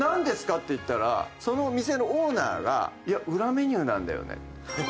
って言ったらその店のオーナーがいや裏メニューなんだよねって。